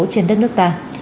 trên đất nước ta